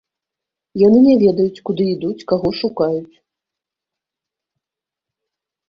Яны не ведаюць, куды ідуць, каго шукаюць.